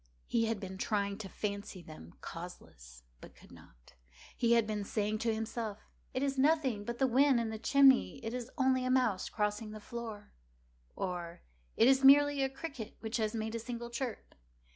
He had been trying to fancy them causeless, but could not. He had been saying to himself—"It is nothing but the wind in the chimney—it is only a mouse crossing the floor," or "It is merely a cricket which has made a single chirp."